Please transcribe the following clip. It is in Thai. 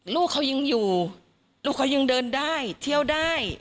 ลูกเขายังอยู่ลูกเขายังเดินได้เที่ยวได้